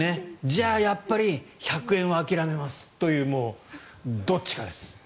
じゃあやっぱり１００円は諦めますというどっちかです。